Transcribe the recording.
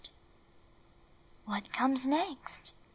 HAT comes next?"